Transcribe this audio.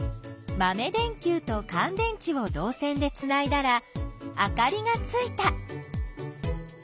まめ電きゅうとかん電池をどう線でつないだらあかりがついた。